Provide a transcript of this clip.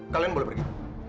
kalian boleh pergi